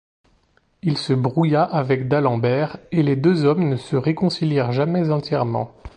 Il se brouilla avec D'Alembert et les deux hommes ne se réconcilièrent jamais entièrement.